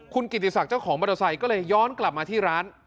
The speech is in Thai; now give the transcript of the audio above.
คุณกิติศักดิ์เจ้าของมอเตอร์ไซค์ก็เลยย้อนกลับมาที่ร้าน